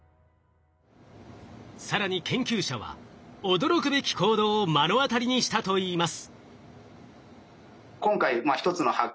更に研究者は驚くべき行動を目の当たりにしたと言います。